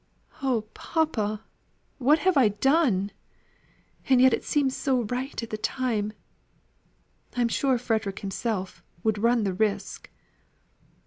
"Oh, papa, what have I done! And yet it seemed so right at the time. I'm sure Frederick himself, would run the risk."